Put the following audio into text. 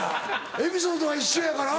エピソードが一緒やから。